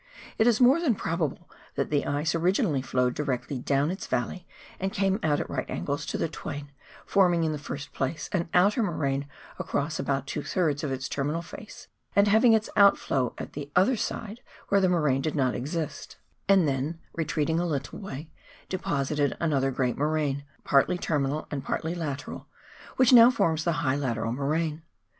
It is more than probable that the ice originally flowed directly down its valley and came out at right angles to the Twain, forming in the first place an outer moraine across about two thirds of its terminal face, and having its outflow at the other side, where the moraine did not exist ; and then, retreating a little way, de posited another great moraine, partly terminal and partly lateral, which now forms the high lateral moraine.